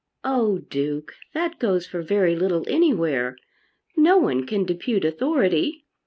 "Oh, Duke, that goes for very little anywhere. No one can depute authority.